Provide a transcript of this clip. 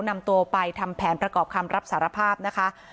นำตัวไปทำแผนประกอบคำรับสารภาพนะคะ